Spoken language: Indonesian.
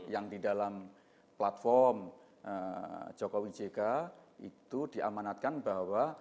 yang di dalam platform jokowi jk itu diamanatkan bahwa